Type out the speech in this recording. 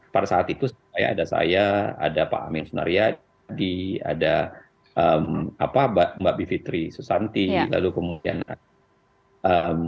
pada saat itu ada saya ada pak amin sunaryadi ada mbak bivitri susanti lalu kemudian ada